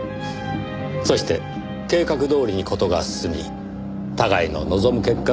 そして計画どおりに事が進み互いの望む結果が得られました。